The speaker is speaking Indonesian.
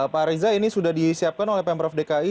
pak reza ini sudah disiapkan oleh pemprov dki